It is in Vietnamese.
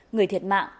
người thiệt mạng